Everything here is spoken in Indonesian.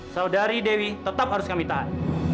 saudari dewi tetap harus kami tahan